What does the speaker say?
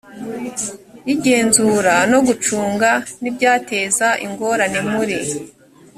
y igenzura no gucunga n ibyateza ingorane muri